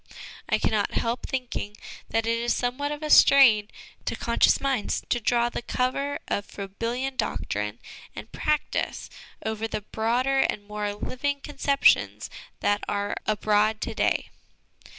I cannot help thinking that it is somewhat of a strain to conscien tious minds to draw the cover of Froebelian doctrine and practice over the broader and more living concep tions that are abroad to day.